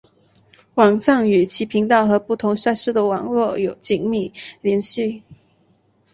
网站与其频道和不同赛事的网络有紧密联系。